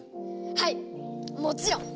はいもちろん！